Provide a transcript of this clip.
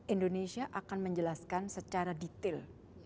indonesia akan menjelaskan secara detail